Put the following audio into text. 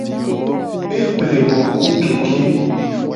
Eple mo ku keke.